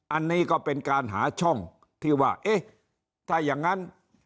อันนี้ก็เป็นการหาช่องที่ว่าเอ๊ะถ้าอย่างนั้น